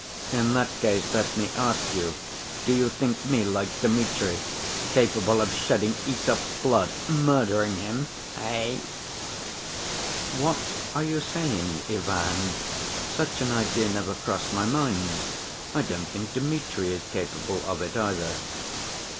In that case let me ask you, do you think me like Dmitri capable of shedding Æsop's blood, murdering him, eh?" "What are you saying, Ivan? Such an idea never crossed my mind. I don't think Dmitri is capable of it, either."